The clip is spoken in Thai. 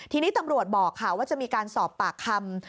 ทีนี้ตำรวจบอกค่ะว่าจะมีการสอบปากคำ